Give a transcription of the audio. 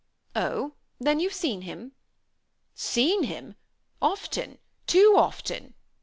"Oh! then you've seen him?" "Seen him? Often, too often."